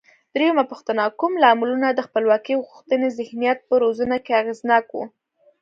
درېمه پوښتنه: کوم لاملونه د خپلواکۍ غوښتنې ذهنیت په روزنه کې اغېزناک و؟